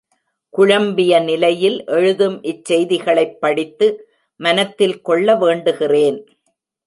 குழம்பிய நிலையில் எழுதும் இச்செய்திகளைப் படித்து மனத்தில் கொள்ள வேண்டுகிறேன்.